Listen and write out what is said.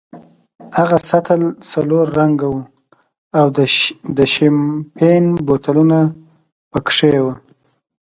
هغه سطل سلور رنګه وو او د شیمپین بوتلونه پکې وو.